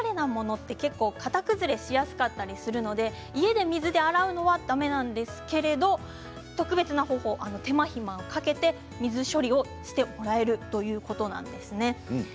おしゃれなもので形崩れしやすかったりするので家で水で洗うのはだめなんですけど特別な方法手間暇かけて水処理をしてもらえるということなんです。